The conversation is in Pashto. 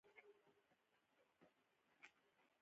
دا لنډ او روښانه پوسټ دی